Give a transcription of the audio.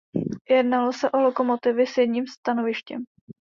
Jednalo se o lokomotivy s jedním stanovištěm.